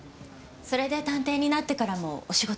それで探偵になってからもお仕事のお世話を？